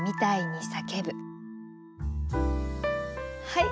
はい！